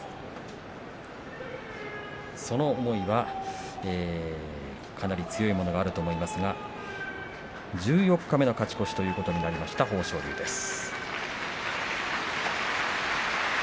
その思いはかなり強いものがあると思いますが十四日目の勝ち越しということになりました、豊昇龍です。